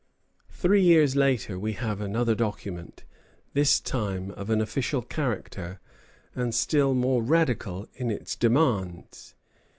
] Three years later we have another document, this time of an official character, and still more radical in its demands.